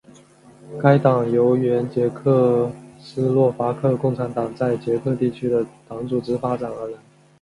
该党由原捷克斯洛伐克共产党在捷克地区的党组织发展而来。